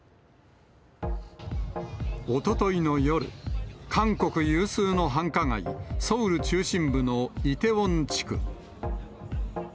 おとといの夜、韓国有数の繁華街、ソウル中心部のイテウォン地区。